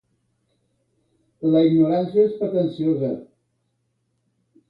La ignorància és pretensiosa.